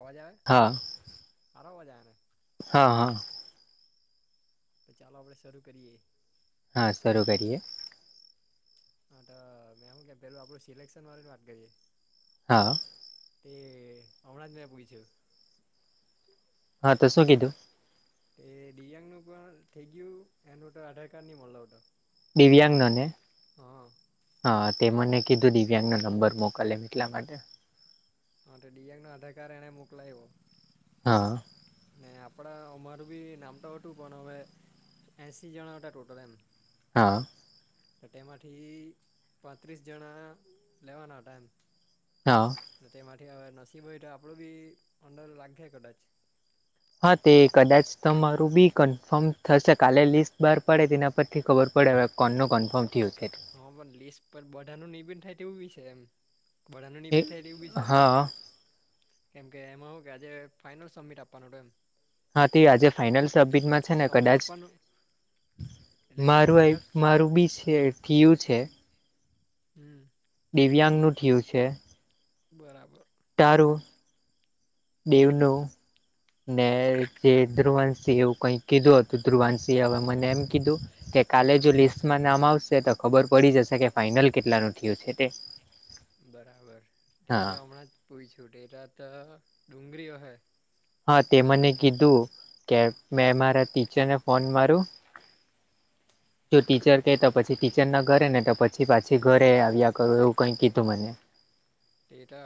અવાજ આવે? હા. હારો અવજા આવે ને? હાઆઆઆ તો ચાલો આપડે શરૂ કરીએ. હા શરૂ કરીએ. હા તો મે હું કે પેલું આપડું સિલેક્શન વાળું જ વાત કરીએે. હા તે હમણાં જ મે પુછ્યું. હા તો શું કીધું? તે દિવ્યાંગ નું પણ થઈ ગયું એનું તો આધાર કાર્ડ ની મલવતા દિવ્યાંગ નુ ને? હા તે મને કીધું દિવ્યાંગ નો નંબર મોકલ એમ એટલા માટે માટે દિવ્યાંગ નો આધાર કાર્ડ એણે મોકલાવ્યો. હા ને આપડા અમારું ભી નામ તો હતું પણ હવે એસી જણા હતા ટોટલ એમ હા તો તેમાંથી પાંત્રીસ જણા લેવાના હતા એમ હા જો તેમાંથી હવે નસીબ હોય તો આપણું બી અંદર લાગે કદાચ હા તે કદાચ તમારું બી કન્ફર્મ થશે કાલે લિસ્ટ બહાર પડે તેના પરથી ખબર પડે હવે કોનું કન્ફર્મ થયું છે. હા પણ લિસ્ટ પર બધાનું નહીં બી થાય તેવું વિષય છે એમ વડાણની એ મીઠાઈ ને એવું બી છે એમ હા કેમ કે એમાં હું કે આજે ફાઈનલ સબમિટ આપવાનો ડન હા તે આજે ફાઈનલ સબમિટમાં છે ને સબમિટ કદાચ આપવાનું એટલે જો મારું આયુ ફાઈનલ મારું બી છે થયું છે હમમ દિવ્યાંગનું થયુ છે. બરાબર તારું દેવનું ને જે ધ્રુવાંસી એવું કંઈ કીધું હતું ધ્રુવાંસી હવે મને એમ કીધું. કે કાલે જો લિસ્ટમાં નામ આવશે તો ખબર પડી જશે કે ફાઈનલ કેટલાનું થયું છે. તે એ [inaudible] બરાબર તે હા મેં હમણાં જ પૂછું ટેરા તો ડુંગરીઓ હૈ હા તે મને કીધું કે મેં મારા ટીચરને ફોન મારું? [inaudible] જો ટીચર કહેતા પછી ટીચર ના ઘરે ને તો પછી પાછી ઘરે આવ્યા કરું એવું કઈ કીધું મને. એ તો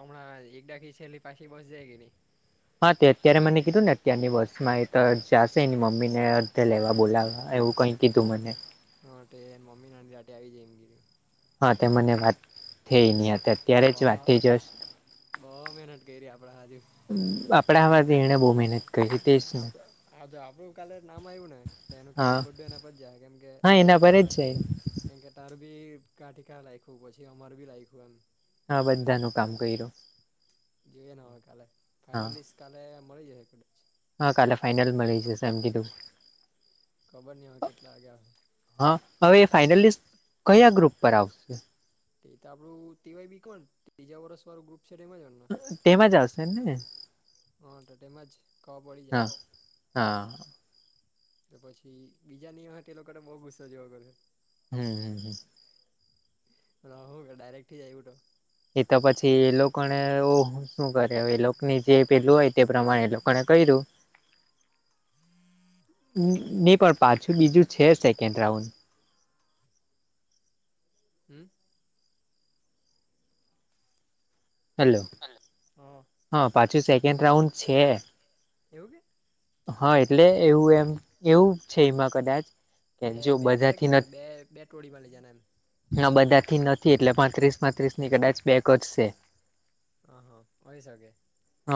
અમણા એક ડાકી છેલ્લી પાછી બસ જાય કે ની, હા તે અત્યારે મને કીધું ને અત્યારની બસ માં એ તો જશે મમ્મી ને ત્યાં લેવા બોલાવવા એવું કંઈક કીધુ મને. હા તે એની મમ્મી ના એની જાતે આવી જાય એમ કીધું. હા તે મને વાત -થઈ એની હાર. અ બહુ મહેનત કરી આપડે આજે. [unintelligible] ને આપ અ આજે આપડું કાલે નામ આવ્યું ને. એનું હા કેરી બધું એના પર જાય કેમ કે હા એના પર આપડા જ છે કેમ કે તારુ બી કાંઠી કા લાયકુ પછી અમાર બી લાયકું એમ હા બધાનું કામ કર્યું. જોઈએ ને હવે કાલે હા ફાઇનલિસ્ટ કાલે મળી જશે. હા કાલે ફાઈનલ મળી જશે એમ કીધું છે. ખબર નહીં હવે કેટલા વાગ્યા આવશે. હા હવે ફાઈનલિસ્ટ કયા ગ્રુપ પર આવશે. તે તો આપણું ટીવાય બી કોમ ત્રીજા વર્ષ વાળું ગ્રુપ છે એમાં જ ને તેમાં જ આવશે ને હા તો તેમાંજ ખબર પડી હા જાય. હા. તો પછી બીજા નિયમ તે લોકોને બહુ ગુસ્સો જોવા લાગે છે. હમ્મ હમ્મ હમ્મ. અલા એવું કે ડાયરેક્ટ થઈ જાય એવુ તો એ તો પછી એ લોકોને એઉ શું કરે છે એ લોકો ને જે પેલું હોય તે પ્રમાણે એ લોકોને કર્યું. [inaudible] નહીં પણ પાછું બીજું છે સેકન્ડ રાઉન્ડ હમ્મ. હલો. [inaudible] હો હા પાછું સેકન્ડ રાઉન્ડ છે. એવું કે? હા એટલે એવું એવું છે એમાં કદાચ કે બે જો બે ટ્રટ કે બધાથી ને બે બે ટોળી માં લઈ જના એમ ના બધા થી નથી એટલે પાંત્રીસ પાત્રીસ ની કદાચ બેક જ છે. હ હા હોઈ શકે.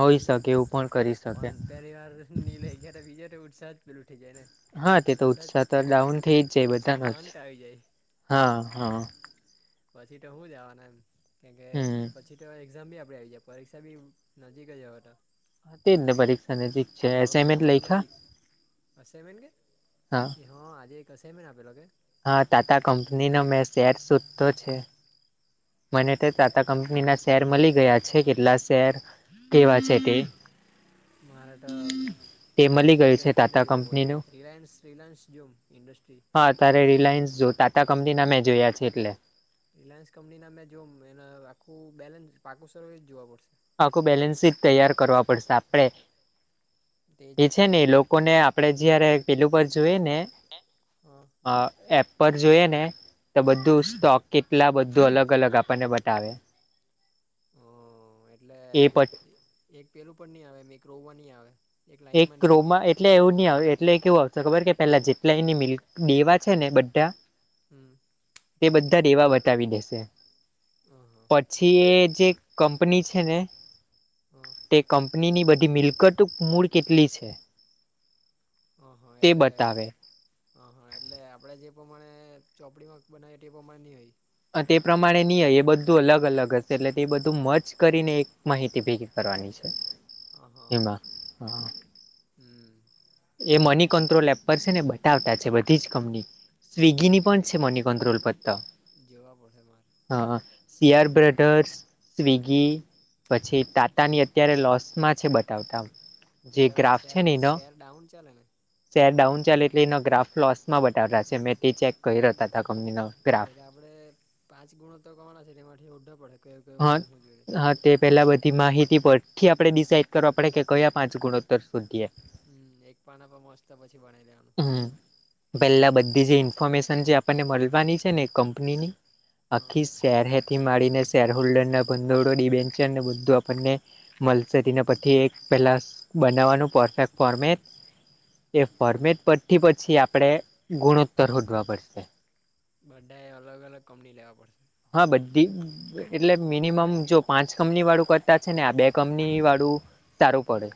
હોઈ શકે એવું પણ કરી શકે પણ પરિવાર ની લઈ ગયા તો બીજા ઉત્સાહ ઉઠી જાય ને હા તે તો ઉત્સાહ જ તો ડાઉન થઈ જ જાય ઉત્સાહ બધાનો નો જ અંત આવી જાય. હા હા. પછી તો હું જવાના એમ કેમ કે હમ પછી તો એક્ઝામ બી આપે આવી જાય પરીક્ષા બી નજીક જ હવે તો તે જ ને પરીક્ષા નજીક છે દોઢ મહિના એસાઇમેન્ટ માટે લયખા નજીક એમ એન કે એ હા આજે અસામેન્ટ આપેલો કે હા ટાટા કંપનીનો મેં શેર શોધતો છે. મને તો ટાટા કંપનીના શેર મળી ગયા છે કેટલા શેર કેવા છે તે મારે તો તે કોઈ મળી બીજી ગયું છે ઇન્ડસ્ટ્રીને ટાટા જોવા પડશે. કંપનીનું રિલાયન્સ રિલાયન્સ જૂમ ઇડસ્ટ્રી. હા ત્યારે રિલાયન્સ જો ટાટા કંપનીના મેં જોયા છે એટલે રિલાયન્સ કંપનીના મેં જો એ આખું બેલેન્સ પાકું સર્વિસ જોવા પડશે. આખું બેલેન્સ શીટ તૈયાર કરવા પડશે આપડે તે જ એ છે ને એ જોમને લોકોને આપડે જયારે પેલું પર જોઈએ ને ને હા. અ એપ પર જોઈએ ને તો બધું સ્ટોક કેટલા બધું અલગ અલગ આપણને બતાવે. હ અ અ એટલે એ એક પેલું પણ નહીં આવે મે ક્રોમ માં નહિં આવે. એક લાઈનમાં નહી આવે ક્રોમા એ ટલે એવું નહ આવ એટલે કેવું આવશે ખબર કે પેલા જેટલા એની મિલ્ક દેવા છે ને બધા હમ્મ. તે બધાં દેવા બતાવી દેશે. આ હ. પછી એ જે કંપની છે ને હ અ. તે કંપનીની બધી મિલકતઓ મૂળ કેટલી છે? અ હ તે એટલે બતાવે અ હ એટલે આપણેે જે પ્રમાણે ચોપડીમાં બનાવી તે એ પ્રમાણે નહી હોય. અ તે પ્રમાણે નહીં આઈ એ બધું અલગ અલગ હશે એટલે તે બધું મર્જ કરીને એક માહિતી ભેગી કરવાની છે એમાં. હ અ. હમ્મ. એ મની કંટ્રોલ એપ પર છે ને બતાવતા છે બધી જ કંપની. સ્વિગીની પણ છે મની કંન્ટ્રોલ પર તો. જેવા પડ હે માર. હ હ સીઆર બ્રદર્સ, સ્વિગી પછી ટાટાની અત્યારે લોસમાં છે બતાવતા. જે એટલે એમાં ગ્રાફ શેર, છે ને એનો શેર ડાઉન ચાલે ને? શેર ડાઉન ચાલે એટલે એના ગ્રાફ લોસમાં બતાાવતા છે મેં તે ચેક કરી રહતા ત કંપનીનો. ગ્રાફ એટલે આપડે પાંચ ગુણો તો કમાના છે એટલે એ માંથી ઓડૉ પડે. કયો હ અ કયો હું હું જોઈ હા તે પેલા બધી માહિતી પરથી આપડણે ડિસાઇડ કરવો પડે કે કયા પાંચ ગુણોત્તર શોધીએ. હમ એક પાના પર મસ્ત પછી બનાવી લેવાનું હમ્મ, પેલા એક બધી જે ઇન્ફોર્મેશ જે આપને મળવાની છે ને કંનીની હ આખી શેર હેતી માડીને શેર હોલ્ડરના ભંદોડો ની બેન છે ને બધું આપણને મળશે તેને પર થી એક પહેલાં બનાવવાનું પરફેક્ટ ફોર્મેટ એ ફોર્મેટ પર થી પછી આપણે ગુણોત્તર હોદવા પડશે. બધા એ અલગ અલગ કંપની લેવા પડશે. આ બધી એટલે મિનિમમ જો પાંચ કંપનીવાળું કરતા છે ને આ બે કંપનીવાળું સારું પડે.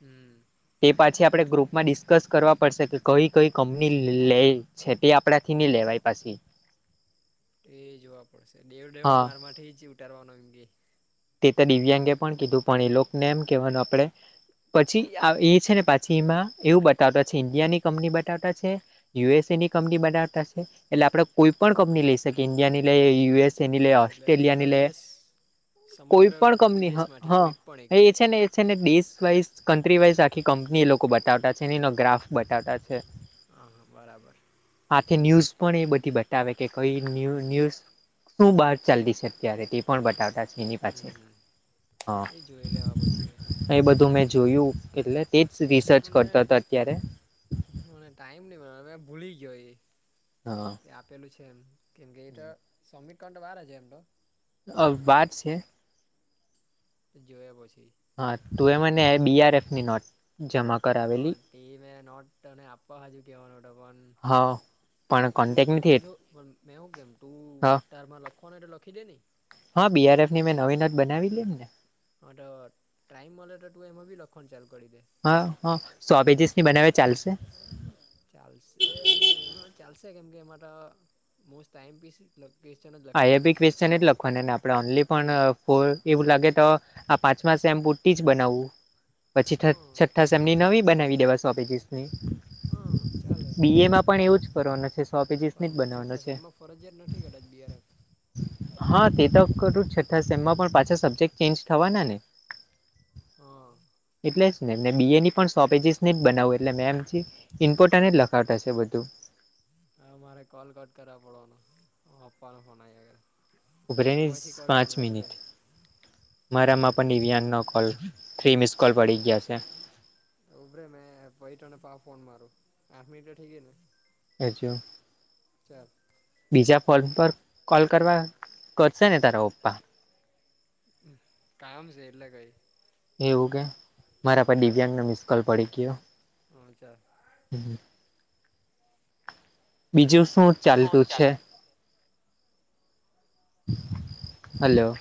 હમ્મ. તે પાછી આપડણે ગ્રુપમાં ડિસ્કસ કરવા પડશે કે કઈ કઈ કંપની લેએ. છેતી આપડાે થી ની લેવાય પાશી એ યે જોવા પડશે ડેવ દેવ હા મારમાંથી જ ઉતારવાનો એમ કે. તે તો દિવ્યાંગે પણ કીધું પણ એલોકને એમ કહેવાનું આપડણે પછી આ એ છે ને પાછી એમાં એવું બતાવતતા છે ઈન્ડિયાની કંપની બતાવતતા છે. યુએસએ ની કંપની બનાવતતા છે એટલે આપણેે કોઈ પણ કંપની લઈ શકીએ ઇન્ડિયાની લઈ યુએસ એ લે, હા એટલે આખા ઓસ્ટ્રેલિયાની લે. વિદેશ કોઈ સમગ્ર પણ કંપની હ હ વિદેશમાંથી કોઈ પણ એક એ છે ને એ છે ને દેશ વાઈઝ, કન્ટ્રી વાઈઝ આખી કંપની એ લોકો બતાવતતા છે ને એનો ગ્રાફ બતાવતતા છે. હા, હા, બરાબર. આખી ન્યૂઝ પણ એ બધી બતાવે કે કઈ ન્યૂઝ ન્યૂઝ શું બહાર ચાલતી છે અત્યારે તે પણ બતાવતા. એની હમ પાછળ હમ હા. એ જોઈ લેવા પછી મેં એ બધું મેં જોયું એટલે તેજ રિસર્ચ અને કરતો હતો અત્યારે. મને ટાઈમ નહી મળ્યો. મે ભૂલી ગયો એ. હા. એ આપેલું છે એમ, કેમ કે એ તો સબમીટ કરવાનું તો વાર અજુ એમ તો. અ વાત છે. તો જોયે પછી. હા, તું એ મને બી આર એફ ની નોટ જમા હા કરાવેલી ટી મે નોટ અને આપવા હજુ કેવાનો હા પણ પણ ત કોન્ટેક નથી જો મે હું કેમ તું હા તારમાં લખ્ થવાનો તો લખી દે ની. હા, બી આર એફ ની મેં નવી નોટ બનાવે લી ને. હા તો ટાઈમ મળે તો તું એમાં બી લખવાનુ ચાલુ કરી દે. હા હા સો પેજીસ ની બનાવે ચાલશે? ચાલશે નહી હા ચાલશે કેમ કે એ માટે મોસ્ટ આઇ એમ પી છે. લોકેશન જ લખાવો છેને. સેને જ લખવાનું ને આપણે ઓનલી પણ ફોર એવું લાગે તો આ પાંચમા સેમ પુરતી જ બનાવવું. પછી હા છઠ્ઠા સેમની નવી બનાવી દેવાય સો પેજીસ ની. હા ચાલે. બી એ માં પણ એવું જ કરવાનો છે સો પેજીસ ની જ બનાવવાનો છે. ફરજીયાત નથી કદાચ બી આર એફ. હા તે તો છઠ્ઠા સેમમાં પણ પાછા સબ્જેક્ટ ચેન્જ થવાના ને! હા. એટલે જ ને અને બી એ ની પણ સો પેજીસ જ બનાવું એટલે મેમ ઇમ્પોર્ટ અને જ લખાવતા હશે બધુ. ધુ હા મારે કોલ કટ કરવા પડવાનું હું આપવાનો ફોન આવ્યો. મે ઉભરેની પછી કરુ પાંચ તને ઉભોરે. મિનિટ મારામાં પણ ઇવીઆન નો કોલ થ્રી મિસ કોલ પડી ગયા છે. ઉભોરે મેં પછી તને પાછો ફોન મારુ આઠ મિનિટ થઇ ગય ને. હજો. ચાલ બીજા ફોન પર કોલ કરવા કરશે ને તારા પપ્પા? કામ છે એટલે કઈ. એવું કે હ મારા પર દિવ્યાંગ નો મિસ્કોલ પડી ગયો. અચ્છા. હમ. બીજું શું ચાલતું છે? હાલો.